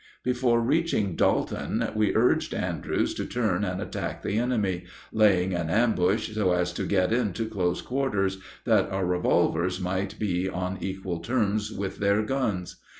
Before reaching Dalton we urged Andrews to turn and attack the enemy, laying an ambush so as to get into close quarters, that our revolvers might be on equal terms with their guns.